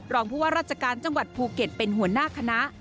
รองผู้ว่าราชการจังหวัดภูเก็ตเป็นหัวหน้าคณะ